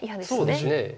そうですね。